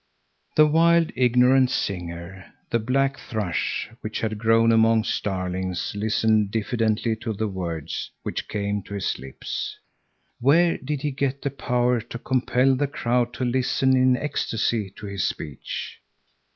The wild, ignorant singer, the black thrush, which had grown among starlings, listened diffidently to the words which came to his lips. Where did he get the power to compel the crowd to listen in ecstasy to his speech?